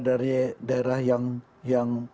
dari daerah yang